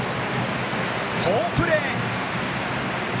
好プレー！